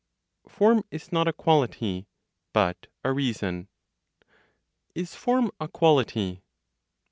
FORM IS NOT A QUALITY; BUT A REASON. Is form a quality?